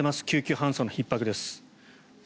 救急搬送のひっ迫です。